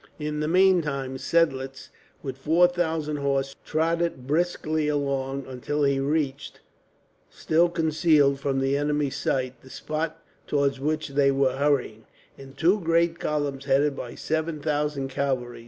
In the meantime Seidlitz, with four thousand horse, trotted briskly along until he reached, still concealed from the enemy's sight, the spot towards which they were hurrying, in two great columns headed by seven thousand cavalry.